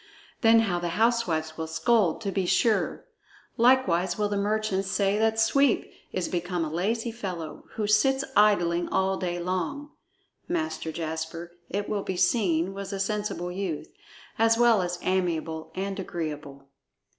Then how the housewives will scold, to be sure! Likewise will the merchants say that Sweep is become a lazy fellow, who sits idling all day long." Master Jasper, it will be seen, was a sensible youth, as well as amiable and agreeable.